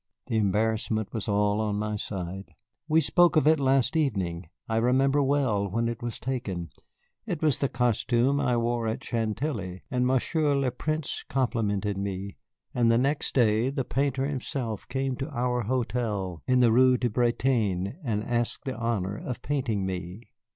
The embarrassment was all on my side. "We spoke of it last evening. I remember well when it was taken. It was the costume I wore at Chantilly, and Monsieur le Prince complimented me, and the next day the painter himself came to our hotel in the Rue de Bretagne and asked the honor of painting me."